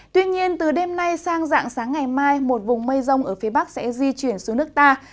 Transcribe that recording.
tuy nhiên từ đêm nay sang dạng sáng ngày mai một vùng mây rông ở phía bắc sẽ di chuyển xuống nước ta